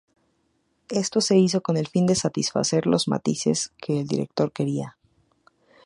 Esto se hizo con el fin de "satisfacer" los matices que el director quería.